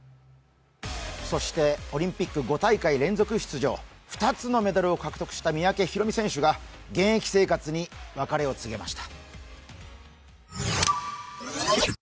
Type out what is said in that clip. オリンピック５大会連続出場、２つのメダルを獲得した三宅宏実選手が現役生活に別れを告げました。